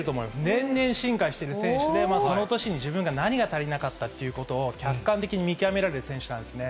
年々進化してる選手で、その年に、自分が何が足りなかったということを客観的に見極められる選手なんですね。